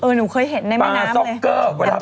เออหนูเคยเห็นในมะน้ำเลย